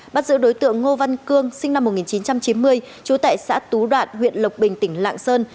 bắt giữ đối tượng ngô văn cương sinh năm một nghìn chín trăm chín mươi chú tại xã tú đoạn huyện lộc bình tỉnh lạng sơn